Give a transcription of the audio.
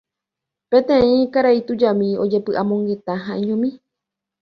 peteĩ karai tujami ojepy'amongeta ha'eñomi